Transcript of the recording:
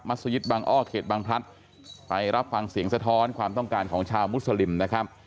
สยิตบางอ้อเขตบางพลัดไปรับฟังเสียงสะท้อนความต้องการของชาวมุสลิมนะครับ